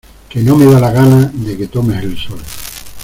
que no me da la gana de que tomes el sol